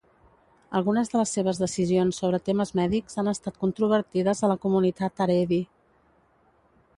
Algunes de les seves decisions sobre temes mèdics han estat controvertides a la comunitat Haredi.